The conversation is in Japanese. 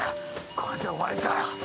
これで終わりかよ